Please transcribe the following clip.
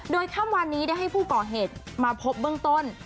โดยค่ำวันนี้ได้ให้ผู้ก่อเหตุมาพบเบื้องต้น